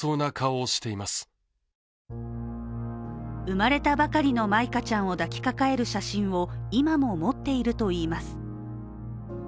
生まれたばかりの舞香ちゃんを抱きかかえる写真を今も持っているといいます。